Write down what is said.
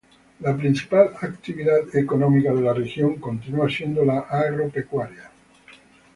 La principal actividad económica de la región continúa siendo la agropecuaria.